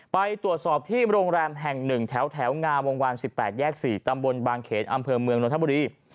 ไปตรวจสอบที่โรงแรมแห่ง๑แถวงามวงวาน๑๘แยก๔ตำบลบางเขนอำเภอเมืองนทบุรี